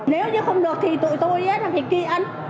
nếu như không được thì tụi tôi thì kỳ ân